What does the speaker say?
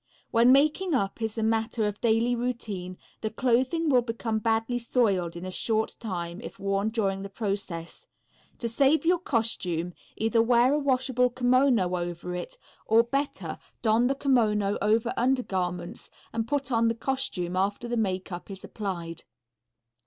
When making up is a matter of daily routine the clothing will become badly soiled in a short time if worn during the process. To save your costume, either wear a washable kimono over it, or better, don the kimono over undergarments and put on the costume after the makeup is applied.